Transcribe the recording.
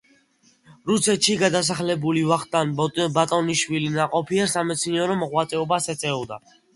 რუსეთში გადასახლებული ვახტანგ ბატონიშვილი ნაყოფიერ სამეცნიერო მოღვაწეობას ეწეოდა.